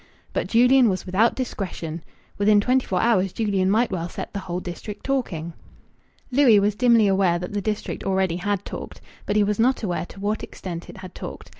But Julian was without discretion. Within twenty four hours Julian might well set the whole district talking. Louis was dimly aware that the district already had talked, but he was not aware to what extent it had talked.